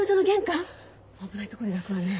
危ないとこで抱くわねえ。